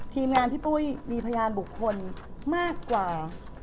ทีมงานพี่ปุ้ยมีพยานบุคคลมากกว่า